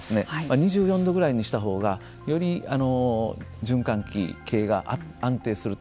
２４度ぐらいにした方がより循環器系が安定すると。